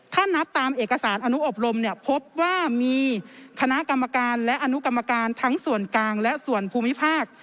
ถ้านับตามเอกสารอนุอบรมเนี่ยพบว่ามีคณะกรรมการและอนุกรรมการทั้งส่วนกลางและส่วนภูมิภาค